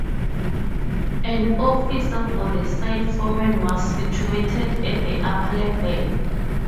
An office for the site forman was situated at the upper level.